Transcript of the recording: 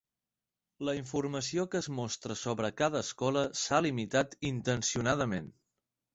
La informació que es mostra sobre cada escola s'ha limitat intencionadament.